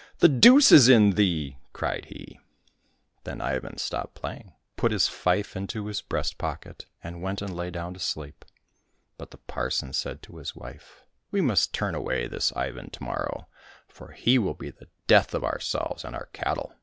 " The deuce is in thee !" cried he. 234 IVAN THE FOOL Then Ivan stopped playing, put his fife into his breast pocket, and went and lay down to sleep. But the parson said to his wife, " We must turn away this Ivan to morrow, for he will be the death of ourselves and our cattle